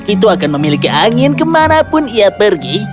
itu akan memiliki angin kemanapun ia pergi